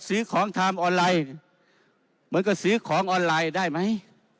ซื้อของไทม์ออนไลน์เหมือนกับซื้อของออนไลน์ได้ไหม